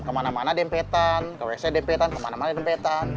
kemana mana dempetan ke wc dempetan kemana mana dempetan